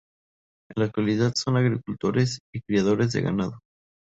En la actualidad son agricultores y criadores de ganado.